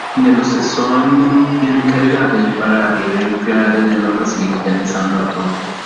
Nello stesso anno vine incaricato di riparare i reliquiari nella Basilica di Sant'Antonio.